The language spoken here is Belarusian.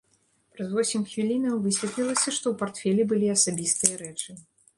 Праз восем хвілінаў высветлілася, што ў партфелі былі асабістыя рэчы.